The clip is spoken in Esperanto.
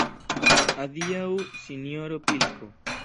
Adiaŭ, sinjoro pilko!